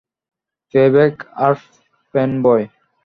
Payback আর fanboy.